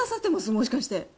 もしかして。